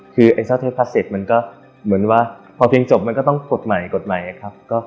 คือเจ้าเทปคัสเซ็ตมันก็เหมือนว่าพอเพลงจบมันก็ต้องกดใหม่ครับ